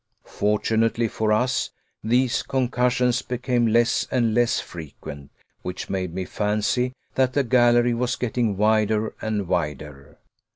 Fortunately for us, these concussions became less and less frequent, which made me fancy that the gallery was getting wider and wider.